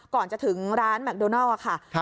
ก่อนจะถึงร้านแมคโดนัลค่ะ